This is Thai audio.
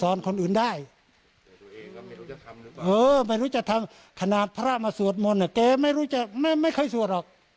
สอนคนอื่นได้ไม่รู้จะทำขนาดพระมาวับมนตย์แล้วไกลไม่รู้จะมาไม่ค่อยรอก